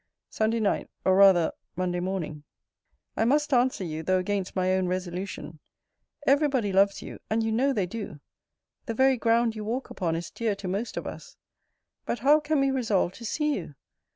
SUNDAY NIGHT, OR RATHER MINDAY MORNING. I must answer you, though against my own resolution. Every body loves you; and you know they do. The very ground you walk upon is dear to most of us. But how can we resolve to see you?